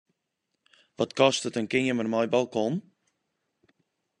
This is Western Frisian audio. Wat kostet in keamer mei balkon?